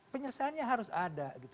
penyelesaiannya harus ada